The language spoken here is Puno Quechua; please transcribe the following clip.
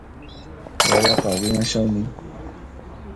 Wawaqa wiñashanmi